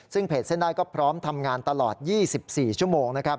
ซึ่งเพจเส้นได้ก็พร้อมทำงานตลอด๒๔ชั่วโมงนะครับ